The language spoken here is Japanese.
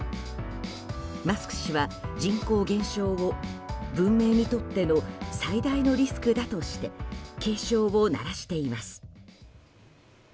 マスク氏は、人口減少を文明にとっての最大のリスクだとして警鐘を鳴らしています。